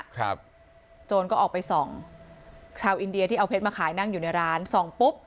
โจรก็ออกไปส่องชาวอินเดียที่เอาเพชรมาขายนั่งอยู่ในร้านส่องปุ๊บ